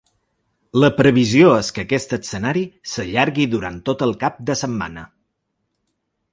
La previsió és que aquest escenari s’allargui durant tot el cap de setmana.